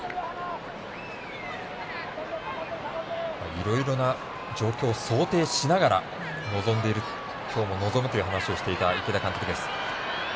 いろいろな状況を想定しながら今日も臨むという話をしていた、池田監督。